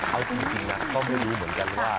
เอาจริงนะก็ไม่รู้เหมือนกันว่า